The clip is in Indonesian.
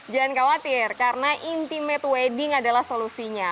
jangan khawatir karena intimate wedding adalah solusinya